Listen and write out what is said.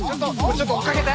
ちょっと追っかけて。